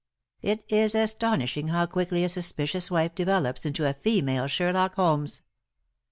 It is astonishing how quickly a suspicious wife develops into a female Sherlock Holmes!